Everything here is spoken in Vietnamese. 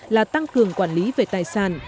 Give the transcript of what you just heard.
là tăng cường quản lý về tài sản